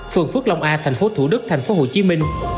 phường phước long a thành phố thủ đức thành phố hồ chí minh